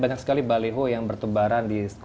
banyak sekali baleho yang bertumbaran di